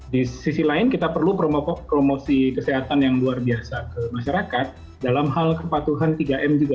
di sisi lain kita perlu promosi kesehatan yang luar biasa ke masyarakat dalam hal kepatuhan tiga m juga